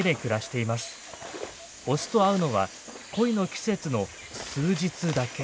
オスと会うのは恋の季節の数日だけ。